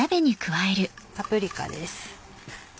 パプリカです。